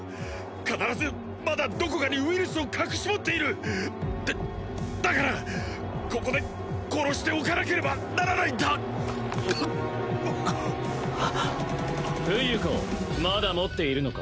必ずまだどこかにウイルスを隠し持っているだだからここで殺しておかなければならないんだ冬子まだ持っているのか？